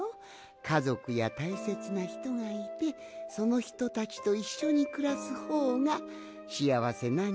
かぞくやたいせつなひとがいてそのひとたちといっしょにくらすほうがしあわせなんじゃないかな？